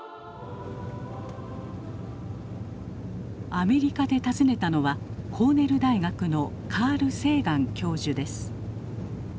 アメリカで訪ねたのはコーネル大学のカール・セーガン教授です。